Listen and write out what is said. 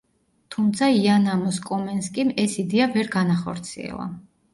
თუმცა იან ამოს კომენსკიმ ეს იდეა ვერ განახორციელა.